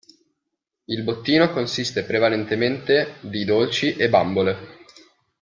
Il bottino consiste prevalentemente di dolci e bambole.